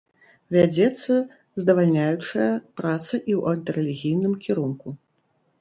Вядзецца здавальняючая праца і ў антырэлігійным кірунку.